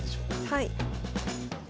はい。